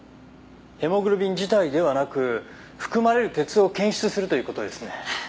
ヘモグロビン自体ではなく含まれる鉄を検出するという事ですね。